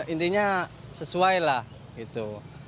intinya sesuai lah gitu